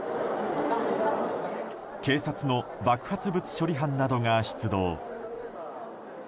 警察の爆発物処理班などが出動。